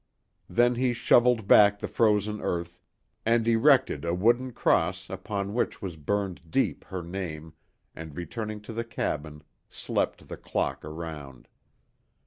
Then he shoveled back the frozen earth, and erected a wooden cross upon which was burned deep her name, and returning to the cabin, slept the clock around.